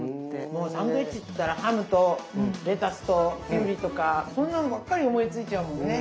もうサンドイッチっていったらハムとレタスときゅうりとかそんなのばっかり思いついちゃうもんね。